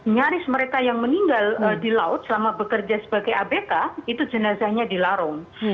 nyaris mereka yang meninggal di laut selama bekerja sebagai abk itu jenazahnya dilarung